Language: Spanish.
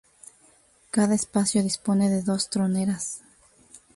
Cada espacio dispone de dos troneras.